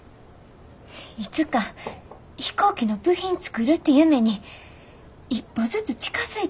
いつか飛行機の部品作るって夢に一歩ずつ近づいて。